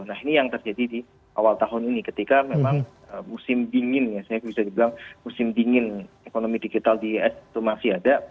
nah ini yang terjadi di awal tahun ini ketika memang musim dingin ya saya bisa dibilang musim dingin ekonomi digital di is itu masih ada